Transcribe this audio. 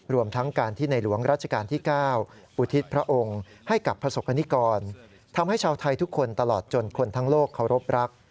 รวมทั้งการที่ในหลวงราชการที่๙อุทิศพระองค์ให้กับประสบกรณิกรทำให้ชาวไทยทุกคนตลอดจนคนทั้งโลกเคารพรัก